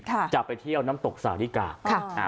จะไปเที่ยวน้ำตกสาวริกาค่ะอ่า